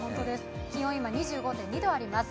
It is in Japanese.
気温、今２５．２度あります。